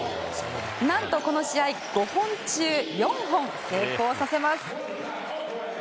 何と、この試合５本中４本成功させます。